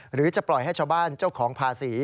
หรือจะปล่อยให้ชาวบ้านเจ้าของภาษี